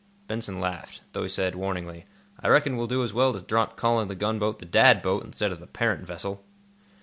Benson laughed, though he said, warningly: "I reckon we'll do as well to drop calling the gunboat the 'Dad boat' instead of the 'parent vessel.